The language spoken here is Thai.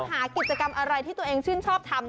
หากิจกรรมอะไรที่ตัวเองชื่นชอบทำ